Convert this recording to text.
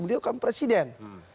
beliau kan presiden